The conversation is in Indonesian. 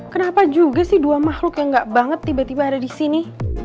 kenapa juga sih dua makhluk yang gak banget tiba tiba ada di sini